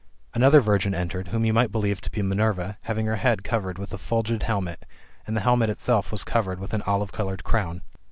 Another virgin entered, whom you might ^lieve to be Minerva, having her head covered with a fiilgid helmet, and the helmet itself was covered with an olive coloured crown.